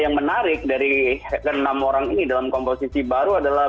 yang mungkin cukup menjadi hal yang menarik dari enam orang ini dalam komposisi baru adalah